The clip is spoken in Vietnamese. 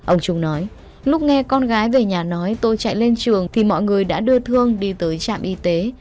ông trung nói lúc nghe con gái về nhà nói tôi chạy lên trường thì mọi người đã đưa thương đi tới trạm y tế